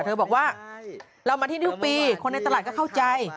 เธอบอกว่าเรามาที่นิ้วปีคนในตลาดก็เข้าใจ